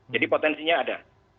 jadi potensinya ada